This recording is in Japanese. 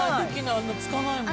あんなつかないもん。